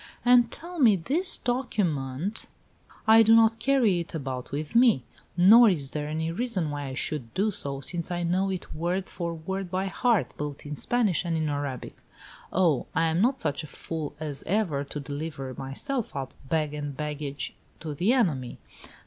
"And tell me this document " "I do not carry it about with me, nor is there any reason why I should do so, since I know it word for word by heart, both in Spanish and in Arabic. Oh, I am not such a fool as ever to deliver myself up, bag and baggage, to the enemy!